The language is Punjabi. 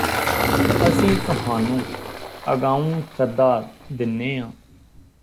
ਅਸੀਂ ਤੁਹਾਨੂੰ ਅਗਾਊਂ ਸੱਦਾ ਦਿੰਨੇ ਆਂ